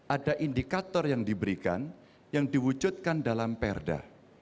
ada indikator yang diberikan yang diwujudkan dalam perda